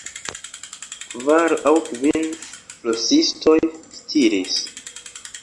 Kvar aŭ kvin flosistoj stiris.